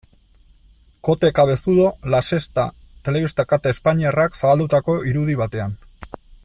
Kote Cabezudo, La Sexta telebista kate espainiarrak zabaldutako irudi batean.